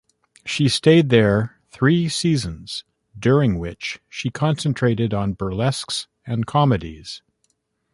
She stayed there three seasons, during which she concentrated on burlesques and comedies.